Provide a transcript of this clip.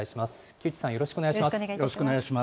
木内さん、よろしくお願いします。